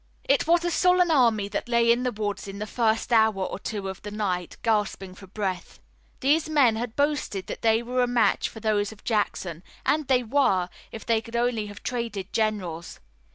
It was a sullen army that lay in the woods in the first hour or two of the night, gasping for breath. These men had boasted that they were a match for those of Jackson, and they were, if they could only have traded generals.